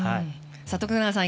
徳永さん